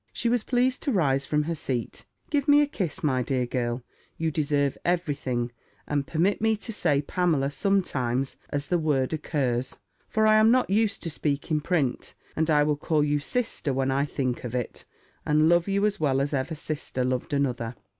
She was pleased to rise from her seat: "Give me a kiss, my dear girl; you deserve every thing: and permit me to say Pamela sometimes, as the word occurs: for I am not used to speak in print; and I will call you sister when I think of it, and love you as well as ever sister loved another."